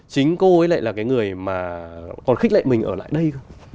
chính cô ấy lại là cái người mà còn khích lệ mình ở lại đây không